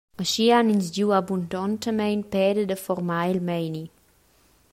Aschia han ins giu abundontamein peda da formar il meini.